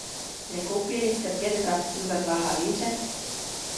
Nekoupí-li se pět vrabců za dva halíře?